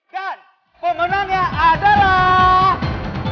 dan pemenangnya adalah